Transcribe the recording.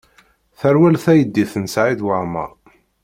Terwel teydit n Saɛid Waɛmaṛ.